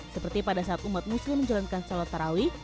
seperti pada saat umat muslim menjalankan salat tarawih